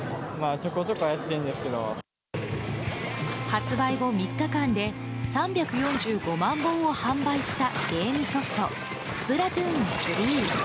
発売３日間で３４５万本を販売したゲームソフト「スプラトゥーン３」。